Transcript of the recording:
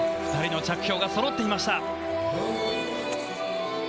２人の着氷がそろっていました。